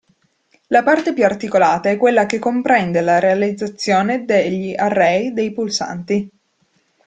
La parte più articolata è quella che comprende la realizzazione degli array dei pulsanti.